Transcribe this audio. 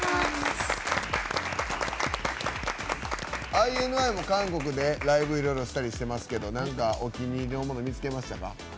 ＩＮＩも韓国でライブいろいろしたりしてますけどなんかお気に入りのもの見つけましたか？